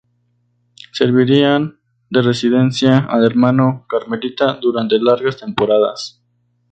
Servirían de residencia al hermano carmelita durante largas temporadas.